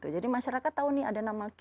jadi masyarakat tahu nih ada nama q sembilan